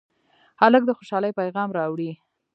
هلک د خوشالۍ پېغام راوړي.